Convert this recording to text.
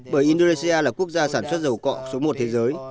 bởi indonesia là quốc gia sản xuất dầu cọ số một thế giới